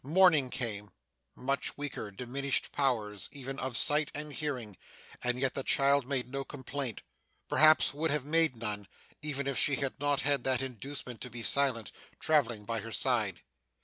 Morning came. Much weaker, diminished powers even of sight and hearing, and yet the child made no complaint perhaps would have made none, even if she had not had that inducement to be silent, travelling by her side.